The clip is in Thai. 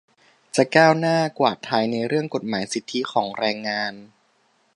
จะก้าวหน้ากว่าไทยในเรื่องกฎหมายสิทธิของแรงงาน